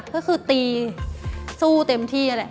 ก็คือตีสู้เต็มที่นั่นแหละ